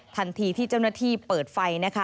ทันทีที่เจ้าหน้าที่เปิดไฟนะคะ